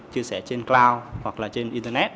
chia sẻ trên cloud hoặc là trên internet